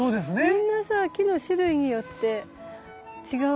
みんなさ木の種類によって違うよね色が。